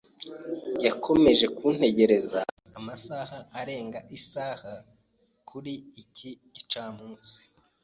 Yakomeje kuntegereza amasaha arenga isaha kuri iki gicamunsi.